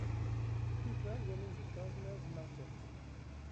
People roaming the farmer 's market.